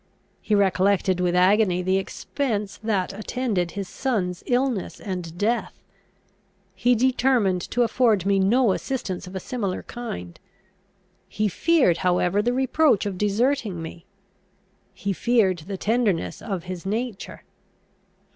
He recollected with agony the expense that attended his son's illness and death. He determined to afford me no assistance of a similar kind. He feared however the reproach of deserting me. He feared the tenderness of his nature.